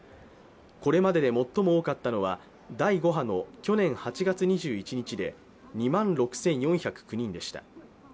これまでで最も多かったのは第５波の去年８月２１日で２万６４０９人でした。